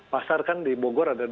pasar kan di bogor ada dua belas